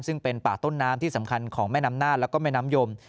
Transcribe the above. ซึ่งเป็นป่าต้นน้ำที่สำคัญของแม่น้ำน่านแล้วก็แม่น้ำยม